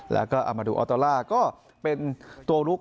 แล้วก็อามาดูออโตล่าก็เป็นตัวลุก